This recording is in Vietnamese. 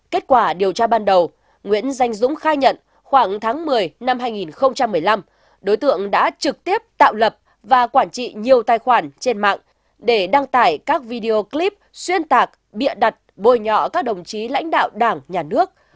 kết quả điều tra ban đầu nguyễn danh dũng khai nhận khoảng tháng một mươi năm hai nghìn một mươi năm đối tượng đã trực tiếp tạo lập và quản trị nhiều tài khoản trên mạng để đăng tải các video clip xuyên tạc bịa đặt bôi nhọ các đồng chí lãnh đạo đảng nhà nước